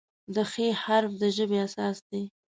د "خ" حرف د ژبې اساس دی.